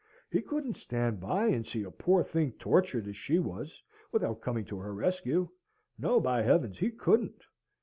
He couldn't stand by and see a poor thing tortured as she was, without coming to her rescue; no, by heavens, he couldn't!